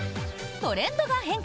トレンドが変化！